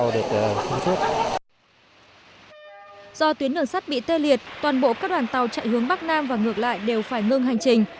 do tuyến đường sắt bị tê liệt toàn bộ các đoàn tàu chạy hướng bắc nam và ngược lại đều phải ngưng hành trình